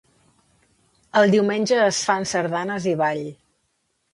El diumenge es fan sardanes i ball.